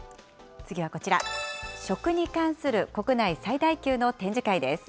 次はこちら、食に関する国内最大級の展示会です。